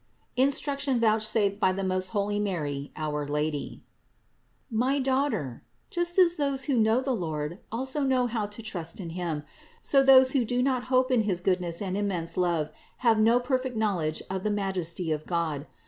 INSTRUCTION VOUCHSAFED BY TH£ MOST HOLY MARY, OUR IvADY. 638. My daughter, just as those who know the Lord also know how to trust in Him, so those who do not hope in his goodness and immense love have no perfect knowledge of the Majesty of God.